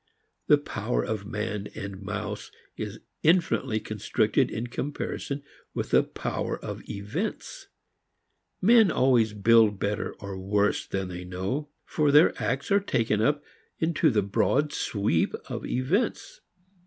The power of man and mouse is infinitely constricted in comparison with the power of events. Men always build better or worse than they know, for their acts are taken up into the broad sweep of events.